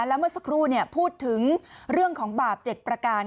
แล้วเมื่อสักครู่พูดถึงเรื่องของบาป๗ประการ